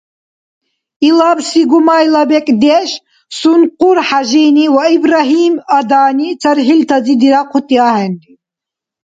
Илабси гумайла бекӏдеш Сункъур-Хӏяжини ва Ибрагьим-адани цархӏилтази дирахъути ахӏенри.